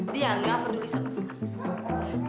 dia nggak peduli sama sekali